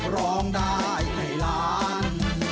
ร้องได้ให้ล้าน